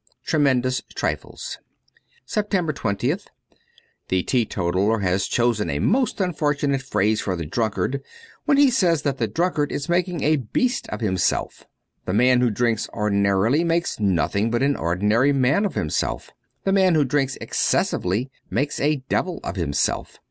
' Tremendous Trifles.' 292 SEPTEMBER 20th THE teetotaller has chosen a most unfortunate phrase for the drunkard when he says that the drunkard is making a beast of himself. The man who drinks ordinarily makes nothing but an ordinary man of himself. The man who drinks excessively makes a devil of himself.